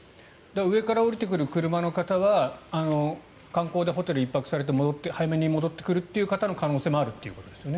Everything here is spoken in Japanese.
上から下りてくる車の方は観光でホテルに１泊されて早めに戻ってくる方の可能性もあるということですよね。